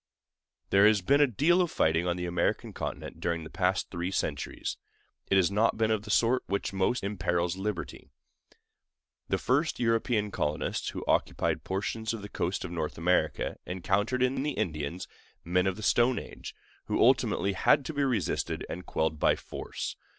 There has been a deal of fighting on the American continent during the past three centuries; but it has not been of the sort which most imperils liberty. The first European colonists who occupied portions of the coast of North America encountered in the Indians men of the Stone Age, who ultimately had to be resisted and quelled by force.